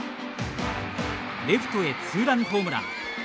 レフトへ、ツーランホームラン。